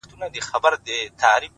ځكه د كلي مشر ژوند د خواركي ورانوي’